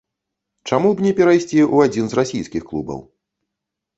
Чаму б і не перайсці ў адзін з расійскіх клубаў?